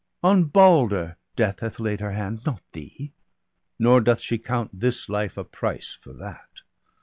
On Balder Death hath laid her hand, not thee; Nor doth she count this life a price for that.